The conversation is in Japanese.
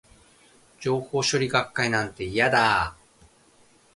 情報処理学会なんて、嫌だー